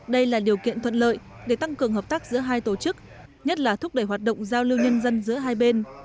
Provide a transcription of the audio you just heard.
đây là điều kiện thuận lợi để tăng cường hợp tác giữa hai tổ chức nhất là thúc đẩy hoạt động giao lưu nhân dân giữa hai bên